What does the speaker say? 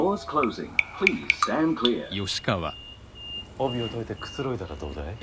帯を解いてくつろいだらどうだい？